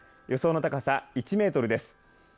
予想の高さ１メートルです。